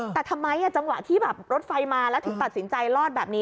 แต่ทำไมจังหวะที่แบบรถไฟมาแล้วถึงตัดสินใจรอดแบบนี้